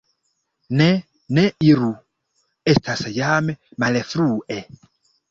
Ne, ne iru, estas jam malfrue.